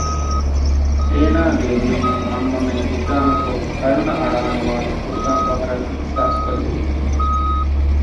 އޭނާ ގެއްލުމުން މަންމަމެން ހިތާމަކޮށް ކަރުނައަޅާނެ ވަރު ފުރަތަމަ ފަހަރަށް އިހްސާސްކޮށްލެވިއްޖެ